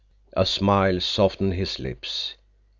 A smile softened his lips.